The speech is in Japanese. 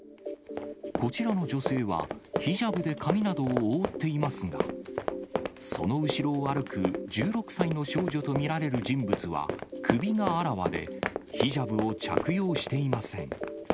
こちらの女性は、ヒジャブで髪などを覆っていますが、その後ろを歩く、１６歳の少女と見られる人物は、首があらわでヒジャブを着用していません。